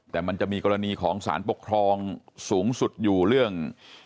แต่มันจะมีกรณีของสารปกครองสูงสุดอยู่เรื่อง